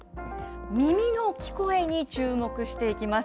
耳の聞こえに注目していきます。